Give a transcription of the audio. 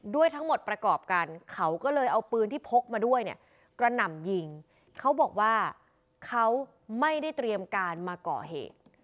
ด้วยทั้งหมดประกอบกันเขาก็เลยเอาปืนที่พกมาด้วยเนี่ยกระหน่ำยิงเขาบอกว่าเขาไม่ได้เตรียมการมาก่อเหตุ